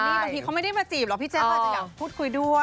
นี่บางทีเขาไม่ได้มาจีบหรอกพี่แจ๊เขาอาจจะอยากพูดคุยด้วย